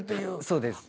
そうです。